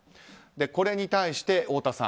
これに対して、太田さん。